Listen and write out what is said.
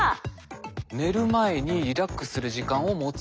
「寝る前にリラックスする時間を持つこと」。